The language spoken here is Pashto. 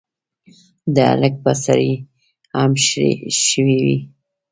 د هلک به سړې هم شوي وي.